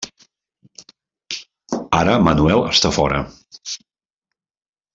Ara Manuel està fora.